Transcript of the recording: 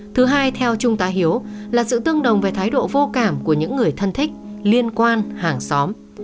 thứ hai theo trung tá hiếu là sự tương đồng về thái độ vô cảm của những người thân thích liên quan hàng xóm